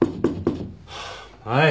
はい！